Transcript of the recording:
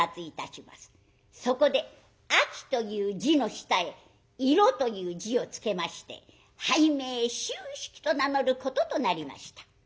そこで「秋」という字の下へ「色」という字をつけまして俳名「秋色」と名乗ることとなりました。